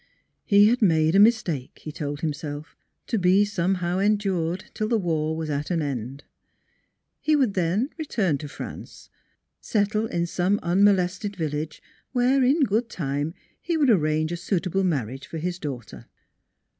He had made a mistake, he told himself, to be somehow endured till the war was at an end. He would then return to France, settle in some unmolested village, where in good time he would arrange a suitable marriage for his daughter.